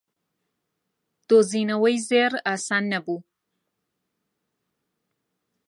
دۆزینەوەی زێڕ ئاسان نەبوو.